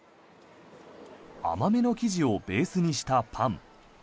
甘めの生地をベースにしたパン。